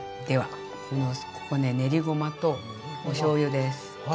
ではここね練りごまとおしょうゆです。